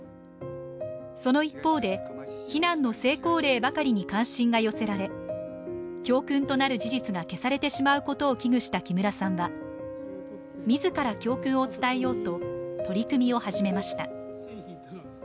その一方で、避難の成功例ばかりに関心が寄せられ教訓となる事実が消されてしまうことを危惧した木村さんは自ら教訓を伝えようと、取り組みを始めました。